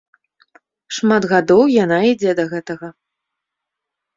Шмат гадоў яна ідзе да гэтага.